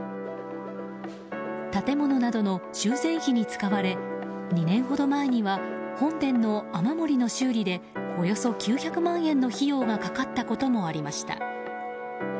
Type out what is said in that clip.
建物などの修繕費に使われ２年ほど前には本殿の雨漏りの修理でおよそ９００万円の費用がかかったこともありました。